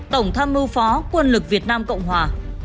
tổng tham mưu phó quân lực việt nam cộng hòa